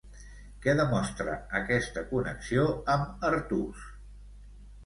Què demostra aquesta connexió amb Artús?